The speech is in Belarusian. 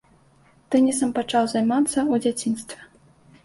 Тэнісам пачаў займацца ў дзяцінстве.